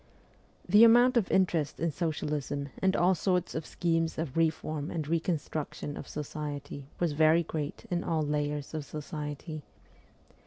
The amount of interest in socialism and all sorts of schemes of reform and reconstruction of society was very great in all layers of society.